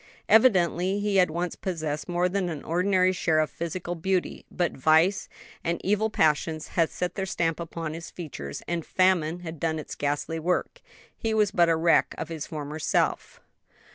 Evidently he had once possessed more than an ordinary share of physical beauty, but vice and evil passions had set their stamp upon his features, and famine had done its ghastly work; he was but a wreck of his former self.